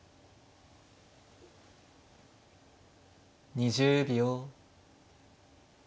２０秒。